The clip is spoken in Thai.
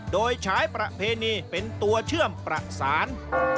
โดยใช้ประเพณีเป็นตัวเชื่อมประสาน